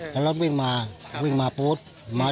พอรถวิ่งมาวิ่งมาปุ๊บ